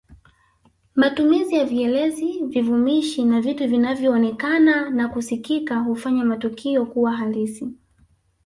Matumizi ya vielezi vivumishi na vitu vinavyoonekana na kusikika hufanya matukio kuwa halisi